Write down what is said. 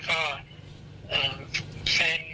พี่สาวต้องเอาอาหารที่เหลืออยู่ในบ้านมาทำให้เจ้าหน้าที่เข้ามาช่วยเหลือ